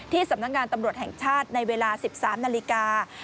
สำนักงานตำรวจแห่งชาติในเวลา๑๓นาฬิกา